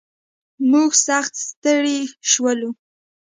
موږ سخت ستړي شولو.